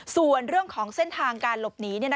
ส่วนเรื่องของเส้นทางการหลบหนี